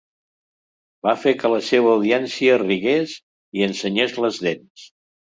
Va fer que la seva audiència rigués i ensenyés les dents.